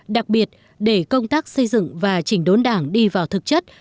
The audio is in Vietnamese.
đặc biệt để công tác xây dựng và chỉnh đốn đảng đi vào thực chất